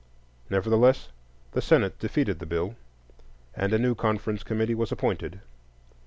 Nevertheless, the Senate defeated the bill, and a new conference committee was appointed.